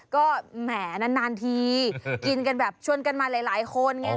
ก็แหมนานทีกินกันแบบชวนกันมาหลายคนไง